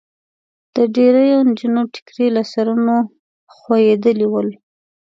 د ډېریو نجونو ټیکري له سرونو خوېدلي ول.